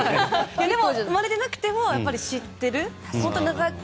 でも生まれてなくても知っている。